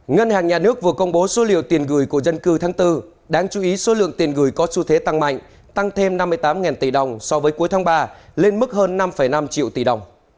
ngân hàng nhà nước vừa công bố số liệu tiền gửi của dân cư tháng bốn đáng chú ý số lượng tiền gửi có xu thế tăng mạnh tăng thêm năm mươi tám tỷ đồng so với cuối tháng ba lên mức hơn năm năm triệu tỷ đồng